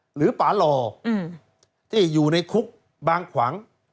หรือป่าหล่อที่อยู่ในคุกบางขวาง